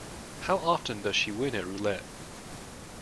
How often does she win at roulette?